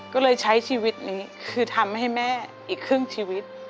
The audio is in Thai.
ก็เลยใช้ชีวิตนี้คือทำให้แม่อีกครึ่งชีวิต